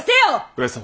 上様